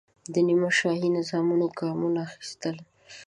د نیمه شاهي نظامونو ګامونه اخیستل.